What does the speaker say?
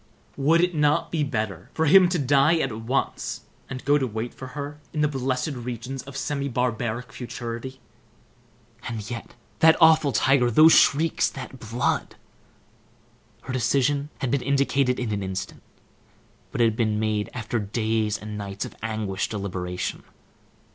Would it not be better for him to die at once, and go to wait for her in the blessed regions of semi barbaric futurity? And yet, that awful tiger, those shrieks, that blood! Her decision had been indicated in an instant, but it had been made after days and nights of anguished deliberation.